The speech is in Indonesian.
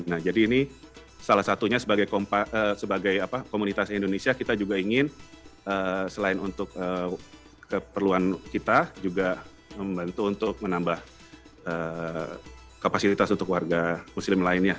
nah jadi ini salah satunya sebagai komunitas indonesia kita juga ingin selain untuk keperluan kita juga membantu untuk menambah kapasitas untuk warga muslim lainnya